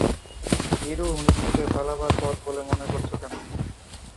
ভীরু, মৃত্যুকে পালাবার পথ বলে মনে করছ কেন?